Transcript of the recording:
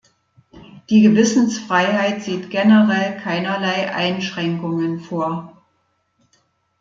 Die Gewissensfreiheit sieht generell keinerlei Einschränkungen vor.